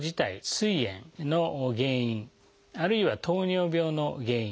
すい炎の原因あるいは糖尿病の原因